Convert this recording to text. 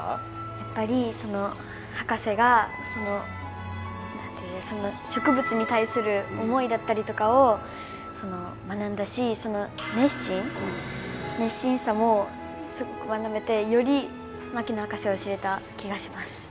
やっぱりその博士が何て言う植物に対する思いだったりとかを学んだしその熱心熱心さもすごく学べてより牧野博士を知れた気がします。